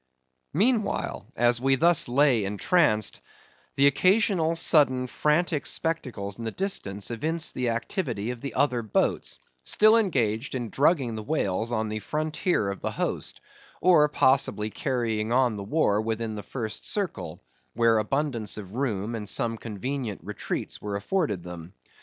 Meanwhile, as we thus lay entranced, the occasional sudden frantic spectacles in the distance evinced the activity of the other boats, still engaged in drugging the whales on the frontier of the host; or possibly carrying on the war within the first circle, where abundance of room and some convenient retreats were afforded them.